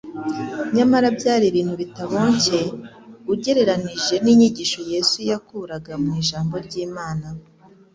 nyamara byari ibintu bitaboncye, ugereranije n'ibyigisho Yesu yakuraga mu Ijambo ry'Imana,